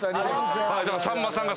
さんまさんが。